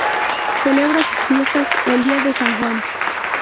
Celebra sus fiestas el día de San Juan.